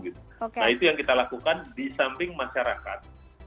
nah itu yang kita lakukan di samping masyarakat